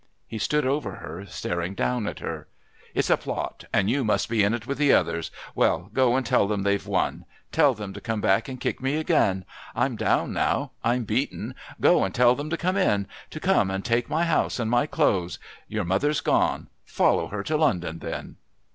He stood over her, staring down at her. "It's a plot, and you must be in it with the others.... Well, go and tell them they've won. Tell them to come and kick me again. I'm down now. I'm beaten; go and tell them to come in to come and take my house and my clothes. Your mother's gone follow her to London, then."